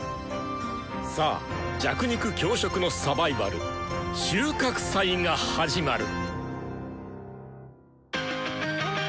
さあ弱肉強食のサバイバル収穫祭が始まる！